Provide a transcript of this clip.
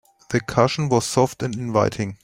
The cushion was soft and inviting.